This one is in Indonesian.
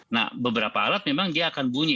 nah beberapa alat memang dia akan bunyi